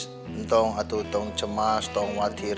kita cuma cemas dan khawatir